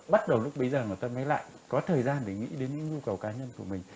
bắt đầu lúc bấy giờ người ta mới lại có thời gian để nghĩ đến nhu cầu cá nhân của mình